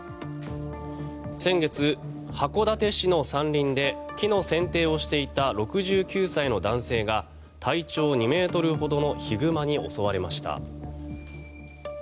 先月、函館市の山林で木のせん定をしていた６９歳の男性が体長２ｍほどのヒグマに襲われました。